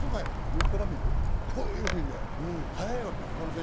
横から見ると、こういうふうに速いわけよ。